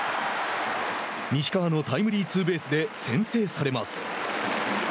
西川のタイムリーツーベースで先制されます。